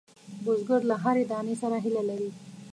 بزګر له هرې دانې سره هیله لري